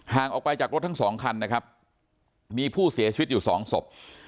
ออกไปจากรถทั้งสองคันนะครับมีผู้เสียชีวิตอยู่สองศพ